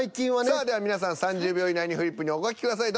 さあでは皆さん３０秒以内にフリップにお書きください。